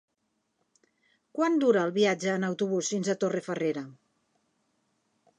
Quant dura el viatge en autobús fins a Torrefarrera?